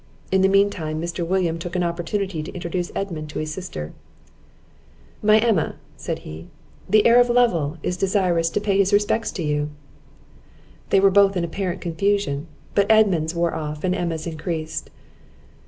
In the mean time Mr. William took an opportunity to introduce Edmund to his sister. "My Emma," said he, "the heir of Lovel is desirous to pay his respects to you." They were both in apparent confusion; but Edmund's wore off, and Emma's increased.